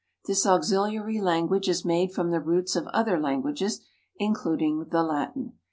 This auxiliary language is made from the roots of other languages, including the Latin.